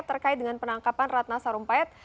terkait dengan penangkapan ratna sarumpayat